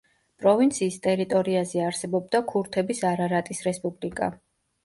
პროვინციის ტერიტორიაზე არსებობდა ქურთების არარატის რესპუბლიკა.